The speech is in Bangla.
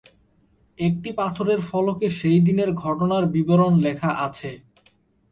একটি পাথরের ফলকে সেই দিনের ঘটনার বিবরণ লেখা আছে।